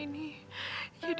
ini adalah rumahku